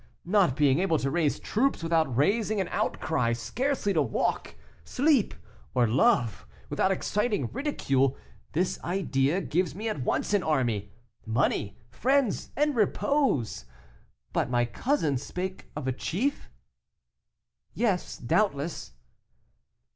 Not being able to raise troops without raising an outcry, scarcely to walk, sleep, or love, without exciting ridicule, this idea gives me at once an army, money, friends, and repose. But my cousin spake of a chief?" "Yes, doubtless."